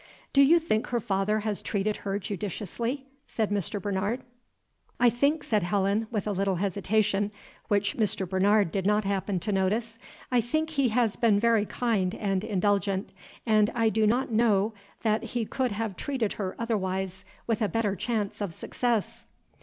"Do you think her father has treated her judiciously?" said Mr. Bernard. "I think," said Helen, with a little hesitation, which Mr. Bernard did not happen to notice, "I think he has been very kind and indulgent, and I do not know that he could have treated her otherwise with a better chance of success."